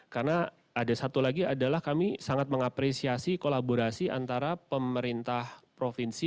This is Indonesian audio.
karena ada satu lagi adalah kami sangat mengapresiasi kolaborasi antara pemerintah provinsi